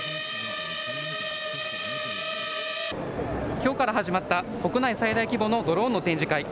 きょうから始まった、国内最大規模のドローンの展示会。